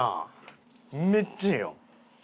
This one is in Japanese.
めっちゃええよ。